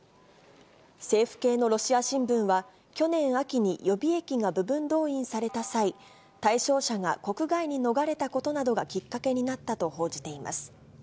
政府系のロシア新聞は、去年秋に予備役が部分動員された際、対象者が国外に逃れたことなどがきっかけになったと報じています。